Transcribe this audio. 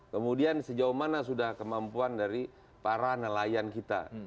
kemudian sejauh mana sudah kemampuan dari para nelayan kita